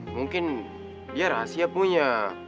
mungkin dia rahasia punya